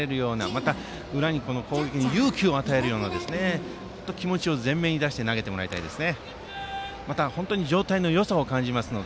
また、裏の攻撃に勇気を与えるように気持ちを前面に出して投げてもらいたいです。